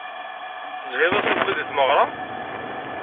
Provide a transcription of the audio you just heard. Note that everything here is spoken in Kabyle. Tezhiḍ-as iḍelli deg tmeɣra?